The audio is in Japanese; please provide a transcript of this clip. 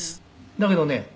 「だけどね